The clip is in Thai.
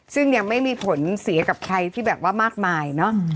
ซึ่งยังไม่มีผลเสียกับใครที่แบบว่ามากมายเนอะ